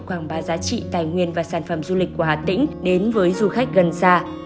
quảng bá giá trị tài nguyên và sản phẩm du lịch của hà tĩnh đến với du khách gần xa